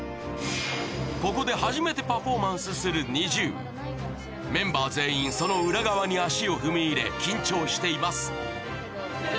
ここで初めてパフォーマンスするＮｉｚｉＵメンバー全員その裏側に足を踏み入れ緊張しています